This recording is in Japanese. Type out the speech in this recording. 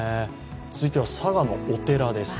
続いては、佐賀のお寺です。